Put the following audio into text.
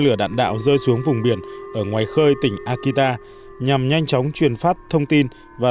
lửa đạn đạo rơi xuống vùng biển ở ngoài khơi tỉnh akita nhằm nhanh chóng truyền phát thông tin và